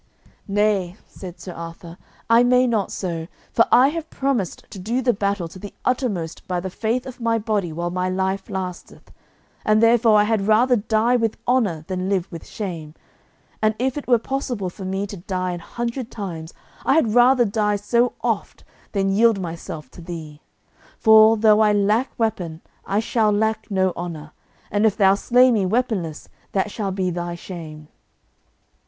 "Nay," said Sir Arthur, "I may not so, for I have promised to do the battle to the uttermost by the faith of my body while my life lasteth, and therefore I had rather die with honour than live with shame; and if it were possible for me to die an hundred times, I had rather die so oft than yield myself to thee; for, though I lack weapon I shall lack no honour, and if thou slay me weaponless that shall be thy shame."